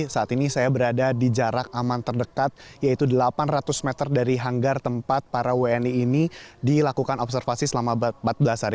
saat ini saya berada di jarak aman terdekat yaitu delapan ratus meter dari hanggar tempat para wni ini dilakukan observasi selama empat belas hari